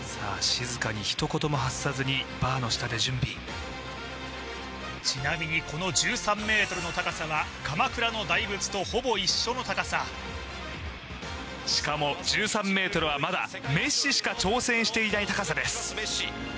静かに一言も発さずにバーの下で準備ちなみにこの１３ｍの高さは鎌倉の大仏とほぼ一緒の高さしかも１３ｍはまだメッシしか挑戦していない高さです